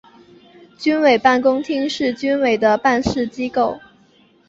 军委办公厅是军委的办事机构。